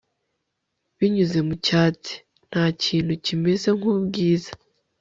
binyuze mu cyatsi. ntakintu kimeze nku bwiza